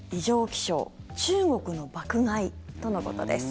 気象中国の爆買いとのことです。